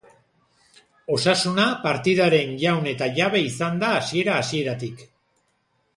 Osasuna partidaren jaun eta jabe izan da hasiera-hasieratik.